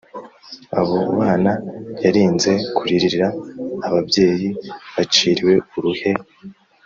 abo bana yarinze kuririra ababyeyi baciriwe uruhe?